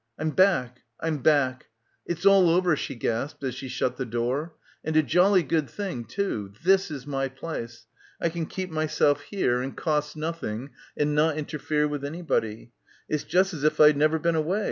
"I'm back. I'm back. It's all over," she gasped as she shut the door. "And a jolly good thing too. This is my place. I can keep myself here and cost nothing and not interfere with anybody. It's just as if I'd never been away.